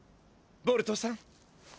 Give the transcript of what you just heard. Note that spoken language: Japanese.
ボルトさん。